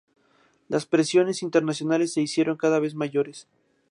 Las presiones internacionales se hicieron cada vez mayores.